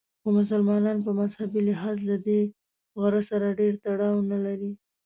خو مسلمانان په مذهبي لحاظ له دې غره سره ډېر تړاو نه لري.